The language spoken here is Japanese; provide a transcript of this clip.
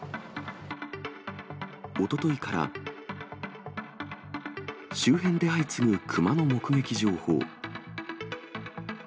おとといから周辺で相次ぐ熊の目撃情報。